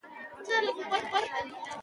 مېلې د کلتور ښکلا ده.